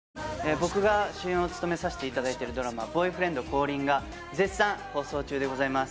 僕が主演を務めさせていただいてるドラマ『ボーイフレンド降臨！』が絶賛放送中でございます。